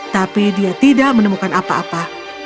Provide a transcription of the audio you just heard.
tapi dia tidak menemukan apa apa